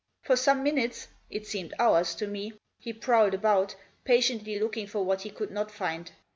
For some minutes — it seemed hours to me — he prowled about, patiently looking for what he could not find.